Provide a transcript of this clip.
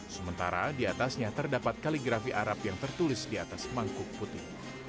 sementara di atasnya terdapat kaligrafi arab yang tertulis di atas mangkuk putih